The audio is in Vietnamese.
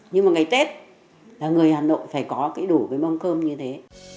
nhưng mà ngày tết là người hà nội phải có cái đủ cái mâm cơm như thế